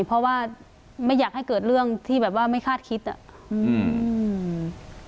เพราะว่าไม่อยากให้เกิดเรื่องที่แบบว่าไม่คาดคิดอ่ะอืม